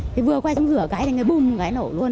thì vừa quay xuống rửa cái thì bùm cái nổ luôn